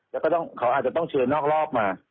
แล้วก็เขาอาจจะต้องเชิญนอกรอบมา